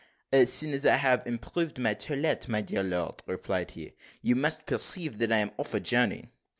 "As soon as I have improved my toilet, my dear lord," replied he "you must perceive that I am off a journey."